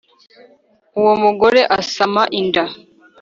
Uwo mugore asama inda